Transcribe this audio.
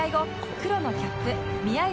黒のキャップ宮市